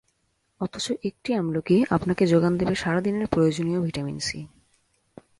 অথচ একটি আমলকি আপনাকে জোগান দেবে সারা দিনের প্রয়োজনীয় ভিটামিন সি।